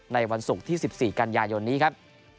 ในวันศุกร์ที่๑๔กันยายนนี้ครับ